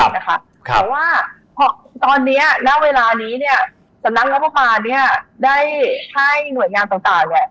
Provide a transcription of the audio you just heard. แต่ว่าตอนนี้หน้าเวลานี้สนับงบประมาณได้ให้หน่วยงานต่าง